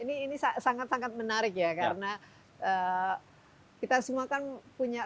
ini sangat sangat menarik ya karena kita semua kan punya